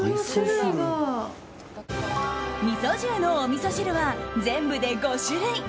ＭＩＳＯＪＹＵのおみそ汁は全部で５種類。